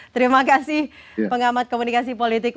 terima kasih pengamat komunikasi politik